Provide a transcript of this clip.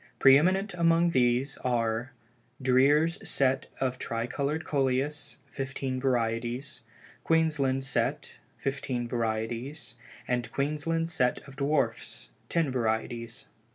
Pre eminent among these are "Dreer's Set of Tri colored Coleus," fifteen varieties; "Queensland Set," fifteen varieties, and "Queensland Set of Dwarfs," ten varieties.